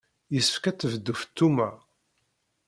Yessefk ad tebdu Feṭṭuma.